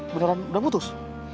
beneran udah putus